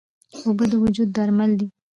اوبه د وجود درمل دي.